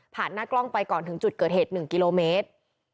หน้ากล้องไปก่อนถึงจุดเกิดเหตุ๑กิโลเมตร